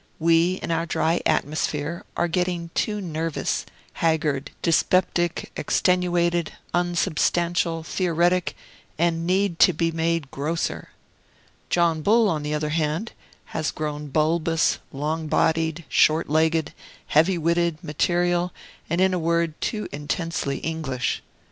We, in our dry atmosphere, are getting too nervous, haggard, dyspeptic, extenuated, unsubstantial, theoretic, and need to be made grosser. John Bull, on the other hand, has grown bulbous, long bodied, short legged, heavy witted, material, and, in a word, too intensely English.